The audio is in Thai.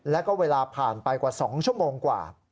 แล้วก็เวลาผ่านไปกว่า๒ชั่วโมงกว่า